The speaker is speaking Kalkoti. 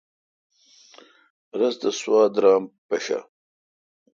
رس تہ سوا درام پݭہ۔